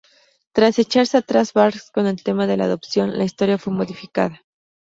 Tras echarse atrás Barks con el tema de la adopción, la historia fue modificada.